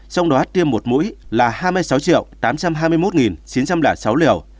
trong đó tiêm một mũi là hai mươi sáu tám trăm hai mươi một chín trăm linh sáu liều